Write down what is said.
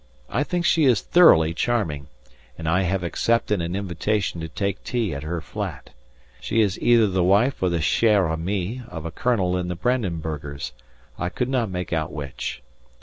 I think she is thoroughly charming, and I have accepted an invitation to take tea at her flat. She is either the wife or the chère amie of a colonel in the Brandenburgers, I could not make out which.